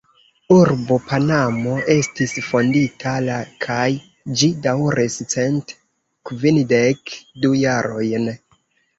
Urbo Panamo estis fondita la kaj ĝi daŭris cent kvindek du jarojn.